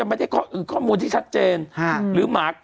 ตายไปหนึ่งแล้วก็มีคนช่วยด้วยหนึ่ง